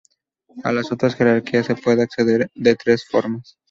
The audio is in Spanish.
A las otras jerarquías se pude acceder de tres formas.